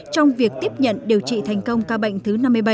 trong việc tiếp nhận điều trị thành công ca bệnh thứ năm mươi bảy